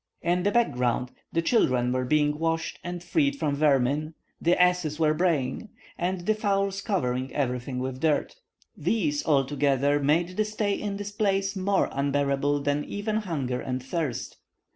In the background, the children were being washed and freed from vermin, the asses were braying, and the fowls covering everything with dirt. These, altogether, made the stay in this place more unbearable than even hunger and thirst.